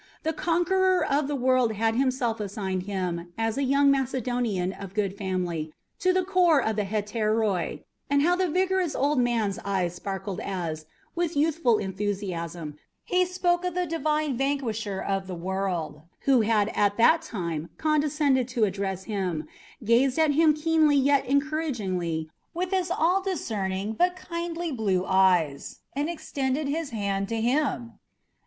The conqueror of the world had himself assigned him, as a young Macedonian of good family, to the corps of the Hetairoi; and how the vigorous old man's eyes sparkled as, with youthful enthusiasm, he spoke of the divine vanquisher of the world who had at that time condescended to address him, gazed at him keenly yet encouragingly with his all discerning but kindly blue eyes, and extended his hand to him!